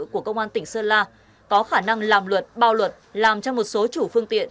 của công an tỉnh sơn la có khả năng làm luật bao luật làm cho một số chủ phương tiện